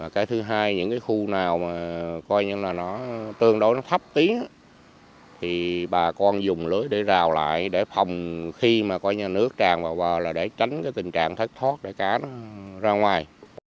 cái thứ hai những khu nào tương đối thấp tí thì bà con dùng lưới để rào lại để phòng khi nước tràn vào bờ để tránh tình trạng thất thoát để cá ra ngoài